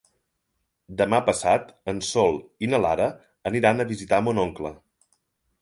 Demà passat en Sol i na Lara aniran a visitar mon oncle.